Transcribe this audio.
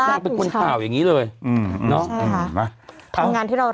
อ่านข่าวทั้งวันไง